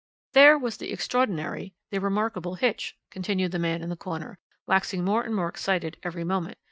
"There was the extraordinary, the remarkable hitch," continued the man in the corner, waxing more and more excited every moment.